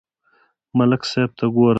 ملک صاحب ته گوره